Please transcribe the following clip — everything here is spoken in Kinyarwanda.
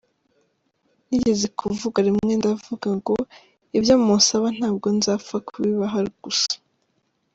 Nigeze kuvuga rimwe ndavuga ngo ibyo munsaba ntabwo nzapfa kubibaha gusa,.